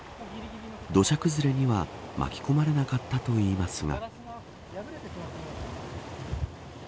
土砂崩れには巻き込まれなかったといいますが。